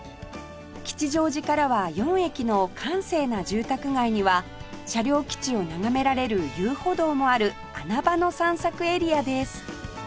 吉祥寺からは４駅の閑静な住宅街には車両基地を眺められる遊歩道もある穴場の散策エリアです